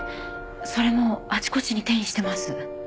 それもあちこちに転移してます。